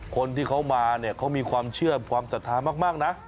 คนที่เขามาเขามีความเชื่อความสัตว์ภาพมากนะ